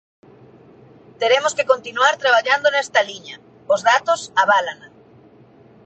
Teremos que continuar traballando nesta liña, os datos aválana.